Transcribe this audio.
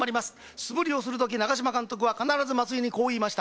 素振りをするとき長嶋監督は必ず松井にこう言いました。